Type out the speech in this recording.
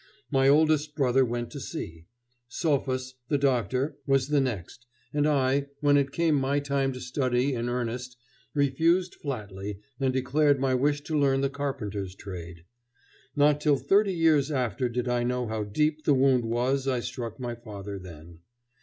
My oldest brother went to sea; Sophus, the doctor, was the next; and I, when it came my time to study in earnest, refused flatly and declared my wish to learn the carpenter's trade. Not till thirty years after did I know how deep the wound was I struck my father then.